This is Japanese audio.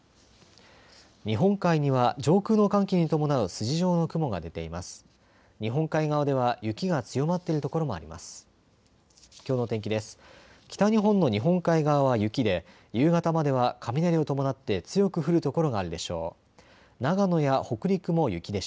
日本海には上空の寒気に伴う筋状の雲が出ています。